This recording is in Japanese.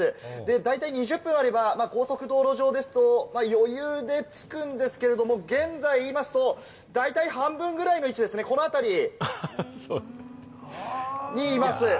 大体２０分あれば高速道路上ですと余裕で着くんですけれども、現在いいますと、大体半分くらいの位置ですね、このあたりにいます。